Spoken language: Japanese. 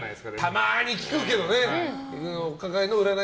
たまにいるけどね。